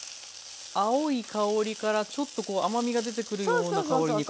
青い香りからちょっとこう甘みが出てくるような香りに。